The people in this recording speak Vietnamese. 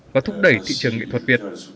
và thúc đẩy thị trường nghệ thuật việt